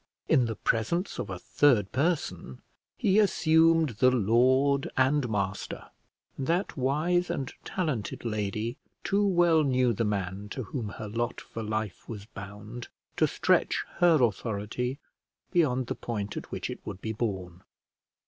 In the presence of a third person he assumed the lord and master; and that wise and talented lady too well knew the man to whom her lot for life was bound, to stretch her authority beyond the point at which it would be borne.